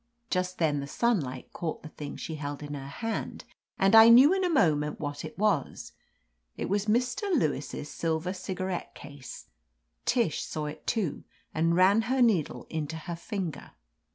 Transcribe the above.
Just then the sunlight caught the thing she held in her hand, and I knew in a moment what it was — it was Mr. Lewis' silver cigarette case Tish saw it too, and ran her needle into her finger.